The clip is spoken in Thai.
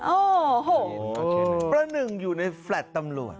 โอ้โหประหนึ่งอยู่ในแฟลต์ตำรวจ